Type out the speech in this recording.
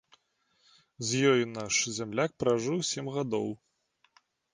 З ёю наш зямляк пражыў сем гадоў.